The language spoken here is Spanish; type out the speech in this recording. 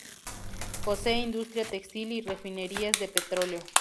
Posee industria textil y refinerías de petróleo.